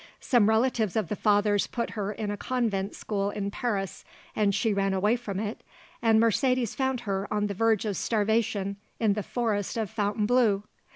Some relatives of the father's put her in a convent school in Paris and she ran away from it and Mercedes found her on the verge of starvation in the forest of Fontainebleau.